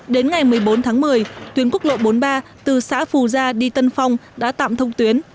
đến ngày một mươi bốn tháng một mươi tuyến quốc lộ bốn mươi ba từ xã phù gia đi tân phong đã tạm thông tuyến